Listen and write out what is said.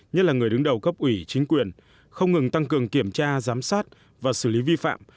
nhất là người đứng đầu cấp ủy chính quyền không ngừng tăng cường kiểm tra giám sát và xử lý vi phạm